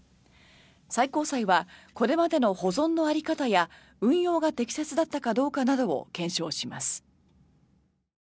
最高裁はこれまでの保存の在り方や運用が適切だったかどうかなどを検証します。